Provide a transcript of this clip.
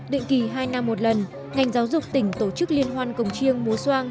định kỳ hai năm một lần ngành giáo dục tỉnh tổ chức liên hoan cồng chiêng mối soan